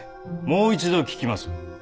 もう一度聞きます。